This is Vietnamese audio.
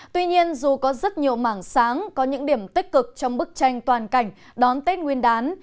tuy nhiên dù có rất nhiều mảng sáng có những điểm tích cực trong bức tranh toàn cảnh đón tết nguyên đán